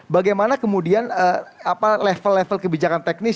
bagaimana kemudian level level kebijakan teknis